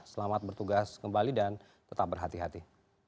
selamat bertugas kembali dan tetap berhati hati